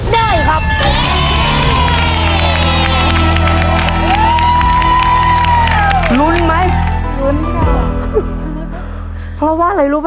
ไม่ได้ครับ